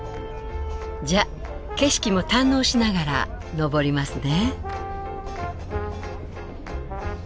じゃあ景色も堪能しながら上りますね。